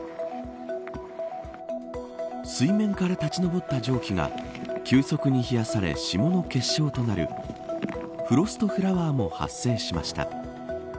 水面から立ち上った蒸気が急速に冷やされ霜の結晶となるフロストフラワーも発生しました。